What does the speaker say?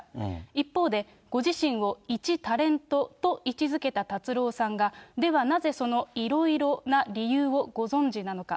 一方で、ご自身をいちタレントと位置づけた達郎さんが、ではなぜ、そのいろいろな理由をご存じなのか。